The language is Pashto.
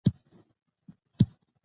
څه پيکه پيکه لوګی لوګی ماحول دی